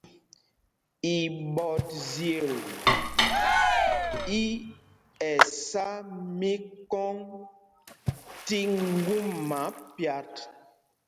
Iɓɔtzyel í ɛsá mikɔŋ tí ŋguma pyat.